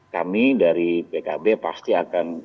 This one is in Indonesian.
kami dari pkb pasti akan